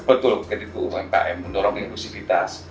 betul kredit untuk umkm mendorong inklusivitas